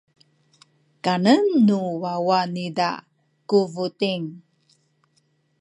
kanan nu wawa niza ku buting.